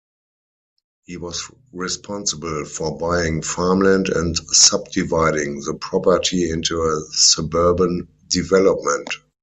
He was responsible for buying farmland and subdividing the property into a suburban development.